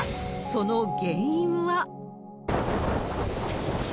その原因は。